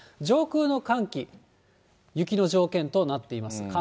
上空の寒気、雪の条件となっています。